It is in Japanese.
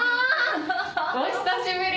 「久しぶり」